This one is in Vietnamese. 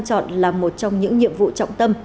chọn là một trong những nhiệm vụ trọng tâm